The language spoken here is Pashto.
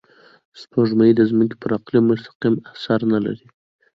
سپوږمۍ د ځمکې پر اقلیم مستقیم اثر نه لري